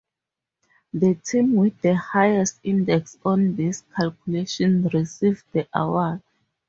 The team with the highest index on this calculation received the award.